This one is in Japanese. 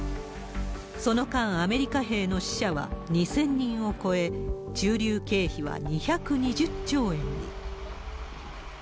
その間、アメリカ兵の死者は２０００人を超え、駐留経費は２２０兆円に。